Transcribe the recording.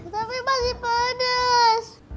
tapi masih pedes